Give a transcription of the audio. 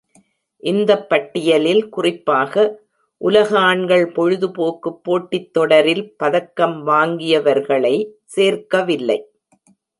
இந்தப் பட்டியலில் குறிப்பாக உலக ஆண்கள் பொழுதுபோக்கு போட்டித்தொடரில் பதக்கம் வாங்கியவர்களை சேர்க்கவில்லை.